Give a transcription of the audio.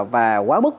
và quá mức